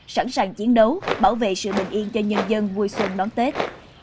sẵn sàng chiến đấu bảo vệ sự bình yên cho nhân dân vui xuân đón tết